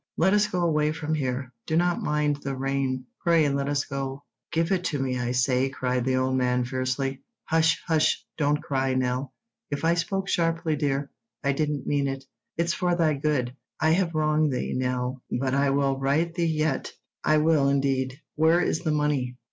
"Let us go away from here. Do not mind the rain. Pray let us go." "Give it to me, I say," cried the old man fiercely. "Hush, hush! don't cry, Nell. If I spoke sharply, dear, I didn't mean it. It's for thy good. I have wronged thee, Nell, but I will right thee yet; I will, indeed. Where is the money?"